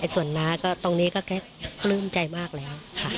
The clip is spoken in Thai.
ส่วนน้าก็ตรงนี้ก็แค่ปลื้มใจมากแล้วค่ะ